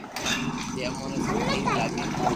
جي اموني سب ٺيڪ لاگي